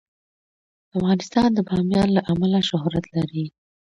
افغانستان د بامیان له امله شهرت لري.